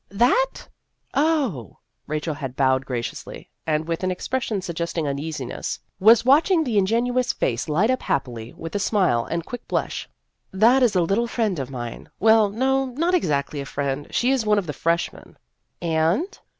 "That? Oh" Rachel had bowed graciously, and with an expression sug gesting uneasiness was watching the ingenuous face light up happily with a smile and quick blush " that is a little friend of mine. Well, no, not exactly a friend ; she is one of the freshmen." "And